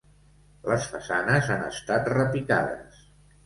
Les façanes han estat repicades.